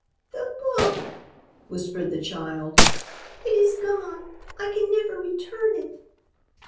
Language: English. "The book," whispered the child; "it is gone. I can never return it."